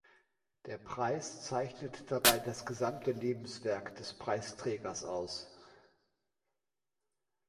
Der Preis zeichnet dabei das gesamte Lebenswerk des Preisträgers aus.